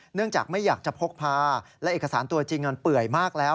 เนื่องจากไม่อยากจะพกพาและเอกสารตัวจริงมันเปื่อยมากแล้ว